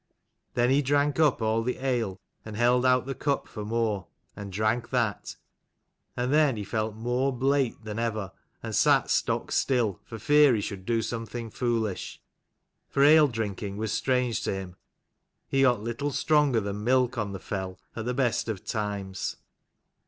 Then he drank up all the ale, and held out the cup for more, and drank that : and then he felt more blate than ever, and sat stock still, for fear he should do something foolish. For ale drinking was strange to him ; he got little stronger than milk on the fell, at the best of times.